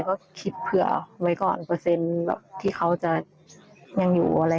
ก็คิดเผื่อไว้ก่อนเปอร์เซ็นต์นี้แหละที่เขาจะอยู่อะไรอยื่อคะ